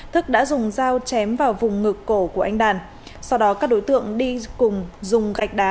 thức đã dùng dao chém vào vùng ngực cổ của anh đàn sau đó các đối tượng đi cùng dùng gạch đá